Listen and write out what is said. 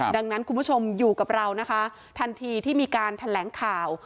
ดังนั้นคุณผู้ชมอยู่กับเรานะคะทันทีที่มีการแถลงข่าว